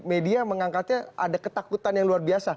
media mengangkatnya ada ketakutan yang luar biasa